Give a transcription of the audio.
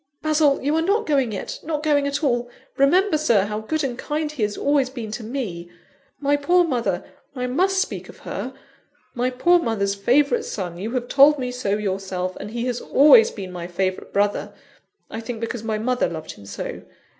Basil! you are not going yet not going at all! Remember, Sir, how good and kind he has always been to me. My poor mother, (I must speak of her), my poor mother's favourite son you have told me so yourself! and he has always been my favourite brother; I think because my mother loved him so!